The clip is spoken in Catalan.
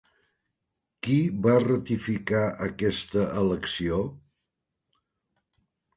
Qui va ratificar aquesta elecció?